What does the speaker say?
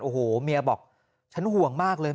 โอ้โหเมียบอกฉันห่วงมากเลย